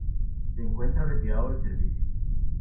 Se encuentra retirado del servicio.